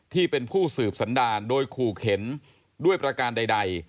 ที่เป็นผู้สืบสันดารโดยขู่เข็นด้วยประการใด